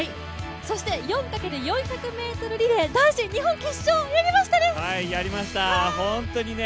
そして、４×４００ｍリレー男子日本決勝、やりましたね！